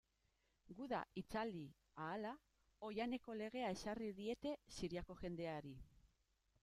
Gudua itzali ahala, oihaneko legea ezarri diete Siriako jendeei.